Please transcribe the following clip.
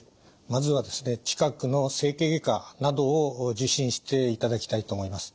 まずは近くの整形外科などを受診していただきたいと思います。